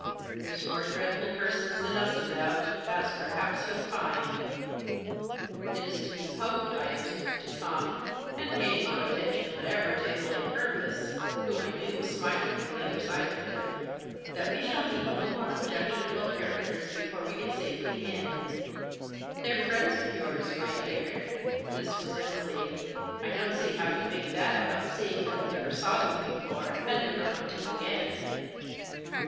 There's more dreadful persons than us about, as perhaps you'll find." " It is to be hoped," I observed to Tom, and paying no attention whatever to Emily Purvis, who I knew was smiling on the other side of him, " that we shall meet no more objectionable characters before we get safely in." " They're friends of yours, my dear," This was Emily. " I don't see how you make that out, seeing that I never saw them before, and never want to again."